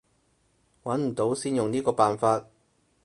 揾唔到先用呢個辦法